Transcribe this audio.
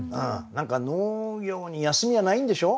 農業に休みはないんでしょ？